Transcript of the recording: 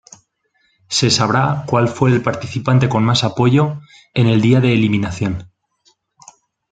Se sabrá cual fue el participante con más apoyo, en el día de eliminación.